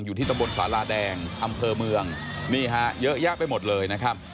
ที่ตะบนสาราแดงอำเภอเมืองนี่ฮะเยอะแยะไปหมดเลยนะครับ